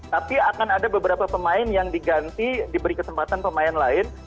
tapi akan ada beberapa pemain yang diganti diberi kesempatan pemain lain